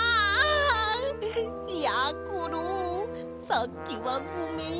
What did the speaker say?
やころさっきはごめんよ。